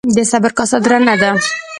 ـ د صبر کاسه درنه ده.